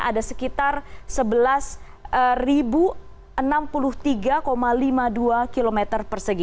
ada sekitar sebelas enam puluh tiga lima puluh dua km persegi